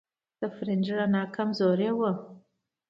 د فریج رڼا کمزورې وه.